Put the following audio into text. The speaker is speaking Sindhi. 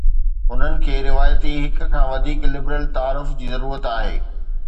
انهن کي روايتي هڪ کان وڌيڪ لبرل تعارف جي ضرورت آهي.